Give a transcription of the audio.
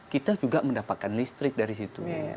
kita juga mendapatkan listrik dari situ